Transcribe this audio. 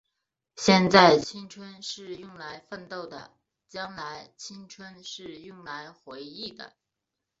现在，青春是用来奋斗的；将来，青春是用来回忆的。